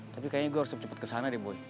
tapi kayaknya gue harus cepet cepet ke sana deh boy